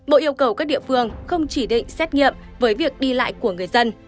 bộ yêu cầu các địa phương không chỉ định xét nghiệm với việc đi lại của người dân